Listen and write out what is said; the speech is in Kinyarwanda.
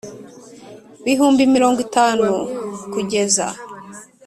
Bihumbi mirongo itanu kugeza